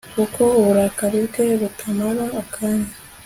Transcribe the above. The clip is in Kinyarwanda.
kuko uburakari bwe butamara akanya